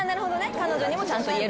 彼女にもちゃんと言えるし。